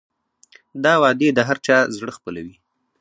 دا وعدې د هر چا زړه خپلوي.